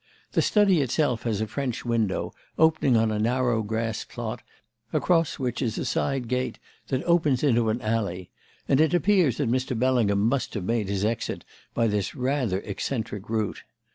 The study itself has a French window opening on a narrow grass plot, across which is a side gate that opens into an alley; and it appears that Mr. Bellingham must have made his exit by this rather eccentric route.